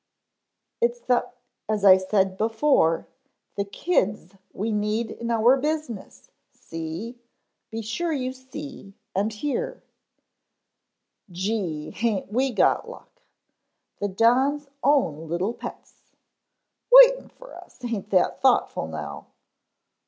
"It's the as I said before, THE kids we need in our business, see! Be sure you see, and hear." "Gee, aint we got luck!" "The Don's own little pets." "Waitin' fer us. Aint that thoughtful now."